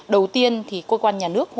đầu tiên thì cơ quan nhà nước hỗ trợ